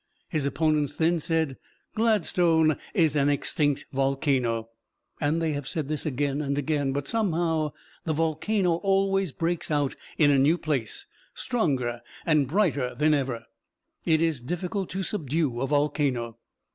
His opponents then said, "Gladstone is an extinct volcano," and they have said this again and again; but somehow the volcano always breaks out in a new place, stronger and brighter than ever. It is difficult to subdue a volcano.